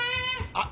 ・あっ。